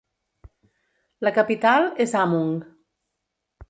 La capital és Hamhung.